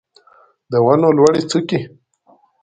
د ونو لوړې څوکې